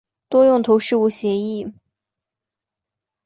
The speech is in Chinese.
多用途事务协议。